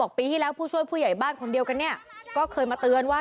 ปีที่แล้วผู้ช่วยผู้ใหญ่บ้านคนเดียวกันเนี่ยก็เคยมาเตือนว่า